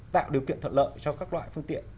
tạo điều kiện thuận lợi cho các loại phương tiện